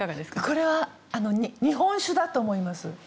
これは日本酒だと思います。